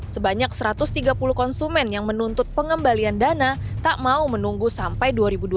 sebanyak satu ratus tiga puluh konsumen yang menuntut pengembalian dana tak mau menunggu sampai dua ribu dua puluh